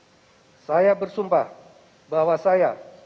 pada saat ini saya bersumpah bahwa saya